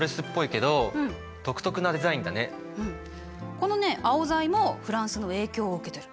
このねアオザイもフランスの影響を受けてる。